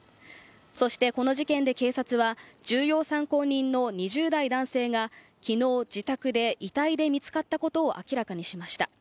そしてこの事件で警察は重要参考人の２０代男性がきのう自宅で遺体で見つかったことを明らかにしました。